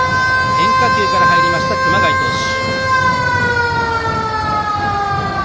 変化球から入りました熊谷投手。